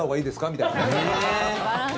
みたいなね。